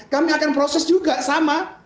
kami akan proses juga sama